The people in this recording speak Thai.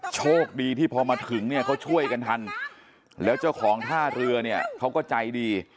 โชคดีที่พอมาถึงเนี่ยเขาช่วยกันทันแล้วเจ้าของท่าเรือเนี่ยเขาก็ใจดี